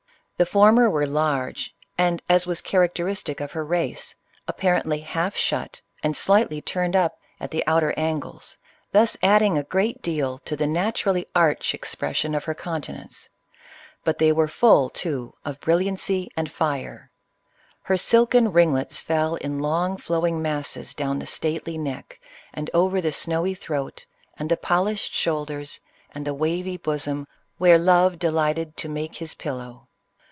The former were large, and, as was characteristic of her race, apparently half shut and slightly turned up at the outer angles, thus adding a great deal to the naturally arch expression of her countenance ; but they were full, too, of brilliancy and fire, ller silken ringlets fell in long flowing masses down the stately neck, and over the snowy throat, and the polished shoulders, and the wavy bosom where Love delighted to make his pillow.